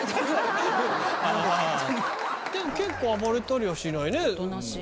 暴れたりはしないね。